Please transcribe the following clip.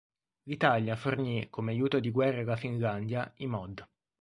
L'Italia fornì, come aiuto di guerra alla Finlandia, i Mod.